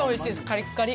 カリッカリ。